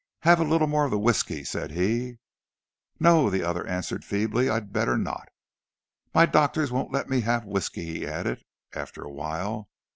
"Have a little more of the whisky," said he. "No," the other answered feebly, "I'd better not." "—My doctors won't let me have whisky," he added, after a while.